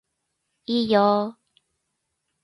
いいよー